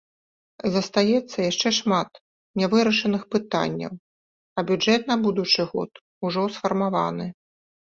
Застаецца яшчэ шмат нявырашаных пытанняў, а бюджэт на будучы год ужо сфармаваны.